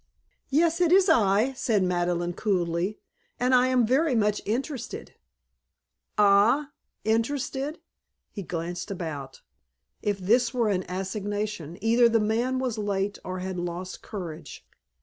"Yes, it is I," said Madeleine coolly. "And I am very much interested." "Ah? Interested?" He glanced about. If this were an assignation either the man was late or had lost courage.